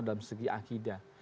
dalam segi akhidah